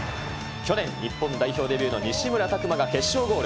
去年、日本代表デビューの西村拓真が決勝ゴール。